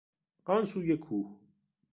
آن سوی کوه